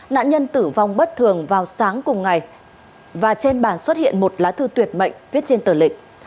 nạn nhân tử vong bất thường vào sáng cùng ngày và trên bàn xuất hiện một lá thư tuyệt mệnh viết trên tờ lịch